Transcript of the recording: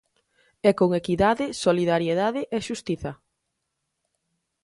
E con equidade, solidariedade e xustiza...,